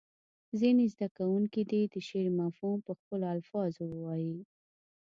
ځینې زده کوونکي دې د شعر مفهوم په خپلو الفاظو ووایي.